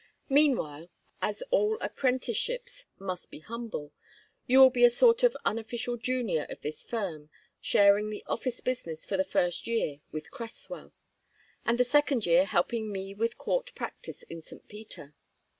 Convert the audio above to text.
Meanwhile, as all apprenticeships must be humble, you will be a sort of unofficial junior of this firm, sharing the office business for the first year with Cresswell, and the second year helping me with court practice in St. Peter.